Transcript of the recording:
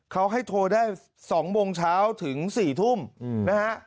เขาให้โทรได้๒โมงเช้าถึง๔ทุ่มนะฮะ